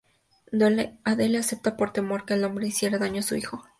Adele acepta, por temor a que el hombre le hiciera daño a su hijo.